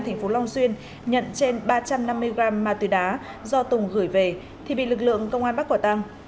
thành phố long xuyên nhận trên ba trăm năm mươi gram ma túy đá do tùng gửi về thì bị lực lượng công an bắt quả tăng